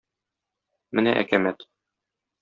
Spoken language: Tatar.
Менә әкәмәт!